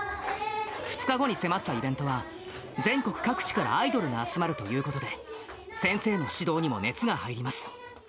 ２日後に迫ったイベントは、全国各地からアイドルが集まるということで、先生の指導にも熱が入ります。